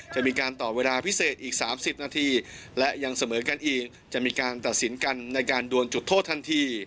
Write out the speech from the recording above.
จะมีการต่อเวลาพิเศษอีก๓๐นาทีและยังเสมอกันอีกจะมีการตัดสินกันในการดวนจุดโทษทันที